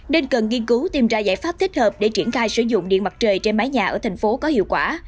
nên cần nghiên cứu tìm ra giải pháp thích hợp để triển khai sử dụng điện mặt trời trên mái nhà ở thành phố có hiệu quả